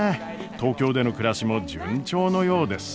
東京での暮らしも順調のようです。